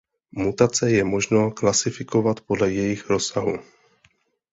Mutace je možno klasifikovat podle jejich rozsahu.